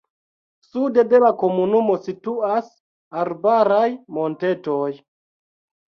Sude de la komunumo situas arbaraj montetoj.